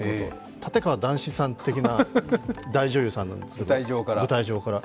立川談志さん的な大女優さんなんですけど、舞台上から。